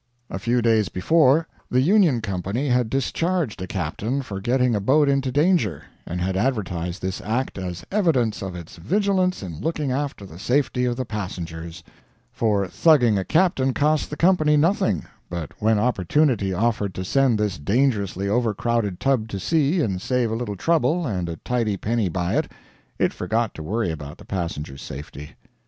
A few days before, the Union Company had discharged a captain for getting a boat into danger, and had advertised this act as evidence of its vigilance in looking after the safety of the passengers for thugging a captain costs the company nothing, but when opportunity offered to send this dangerously overcrowded tub to sea and save a little trouble and a tidy penny by it, it forgot to worry about the passenger's safety.